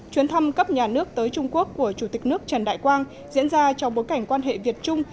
chuyến thăm cấp nhà nước tới trung quốc của chủ tịch nước trần đại quang diễn ra trong bối cảnh quan hệ việt trung